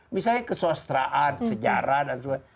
misalnya kesostraan sejarah dan sebagainya